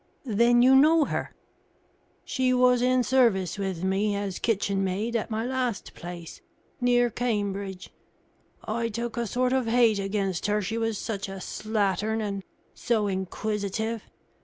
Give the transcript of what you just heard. "Then you know her?" "She was in service with me, as kitchenmaid, at my last place, near Cambridge. I took a sort of hate against her, she was such a slattern and so inquisitive.